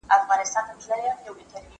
زه کالي وچولي دي!؟